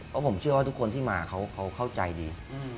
เพราะผมเชื่อว่าทุกคนที่มาเขาเข้าใจดี